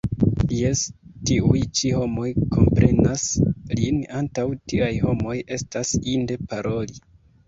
Jes, tiuj ĉi homoj komprenas lin, antaŭ tiaj homoj estas inde paroli.